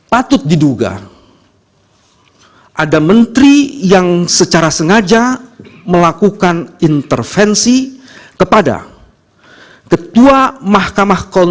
patut diduga ada menteri yang secara sengaja melakukan intervensi kepada ketua mahkamah konstitusi